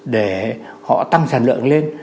để họ tăng sản lượng lên